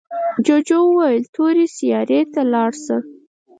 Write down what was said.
جوجو وویل تورې سیارې ته لاړ شه.